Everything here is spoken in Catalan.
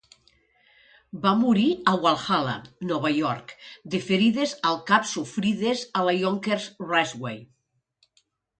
Va morir a Valhalla, Nova York de ferides al cap sofrides a la Yonkers Raceway.